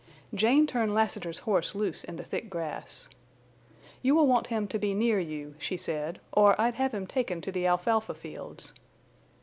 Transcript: Jane turned Lassiter's horse loose in the thick grass. "You will want him to be near you," she said, "or I'd have him taken to the alfalfa fields."